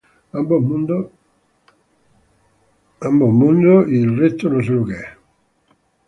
Ambos mundos his families history